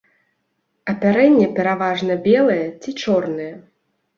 Апярэнне пераважна белае ці чорнае.